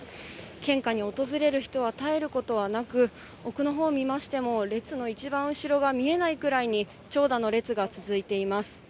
献花に訪れる人は絶えることはなく、奥のほう見ましても、列の一番後ろが見えないくらいに長蛇の列が続いています。